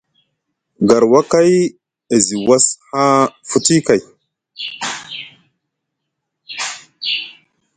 Garwakay e zi was haa futi kay.